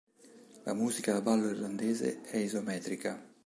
La musica da ballo irlandese è isometrica.